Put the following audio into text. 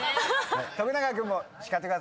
徳永君も叱ってください。